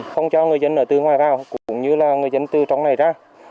không cho người dân ở tư ngoài vào cũng như là người dân từ trong này ra